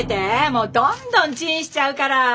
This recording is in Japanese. もうどんどんチンしちゃうから！